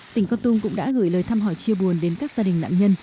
tỉnh con tung cũng đã gửi lời thăm hỏi chia buồn đến các gia đình nạn nhân